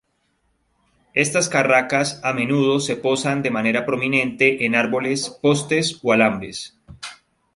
Estas carracas a menudo se posan de manera prominente en árboles, postes o alambres.